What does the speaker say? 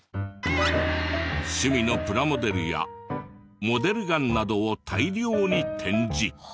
趣味のプラモデルやモデルガンなどを大量に展示。